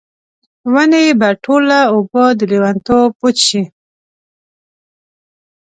ونې به ټوله اوبه، د لیونتوب وچیښي